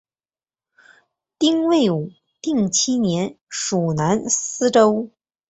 东魏武定七年属南司州。